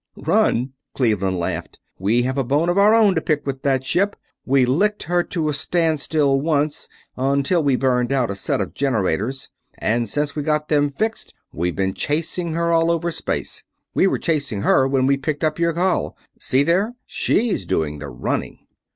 "Run?" Cleveland laughed. "We have a bone of our own to pick with that ship. We licked her to a standstill once, until we burned out a set of generators, and since we got them fixed we've been chasing her all over space. We were chasing her when we picked up your call. See there? She's doing the running."